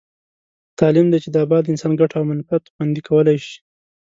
تعلیم دی چې د اباد انسان ګټه او منفعت خوندي کولای شي.